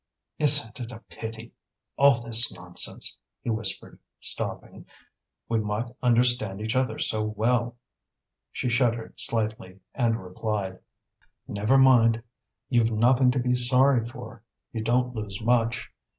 "Isn't it a pity, all this nonsense?" he whispered, stopping. "We might understand each other so well." She shuddered slightly and replied: "Never mind, you've nothing to be sorry for; you don't lose much.